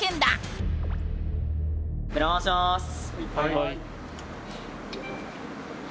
はい。